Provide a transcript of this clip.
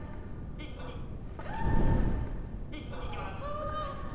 一気にいきます